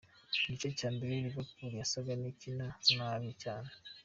Mu gice cya mbere Liverpool yasaga n'ikina nab cyane.